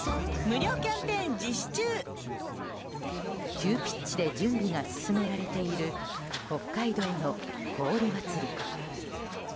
急ピッチで準備が進められている北海道の氷まつり。